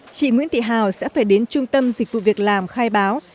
chị nguyễn thị hào sẽ phải đến trung tâm dịch vụ việc làm khai báo